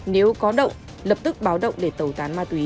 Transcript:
nếu có động lập tức báo đồng